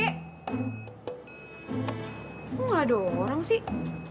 kok nggak ada orang sih